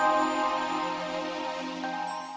itu hal terserah